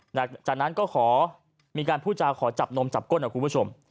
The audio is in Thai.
หลังจากนั้นก็ขอมีการพูดจาขอจับนมจับก้นนะคุณผู้ชม